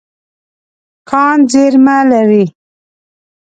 کان زیرمه لري.